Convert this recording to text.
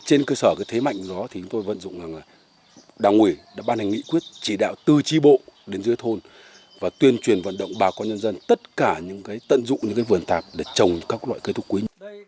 trên cơ sở thế mạnh đó thì chúng tôi vận dụng đảng ủy đã ban hành nghị quyết chỉ đạo tư tri bộ đến dưới thôn và tuyên truyền vận động bà con nhân dân tất cả những tận dụng những vườn tạp để trồng các loại cây thuốc quý